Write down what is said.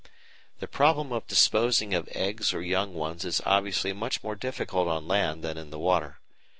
The problem of disposing of eggs or young ones is obviously much more difficult on land than in the water.